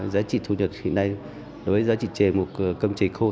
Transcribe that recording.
giá trị thu nhập hiện nay đối với giá trị chè một cơm chè khô